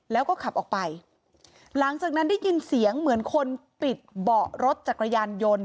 แล้วก็ขับออกไปหลังจากนั้นได้ยินเสียงเหมือนคนปิดเบาะรถจักรยานยนต์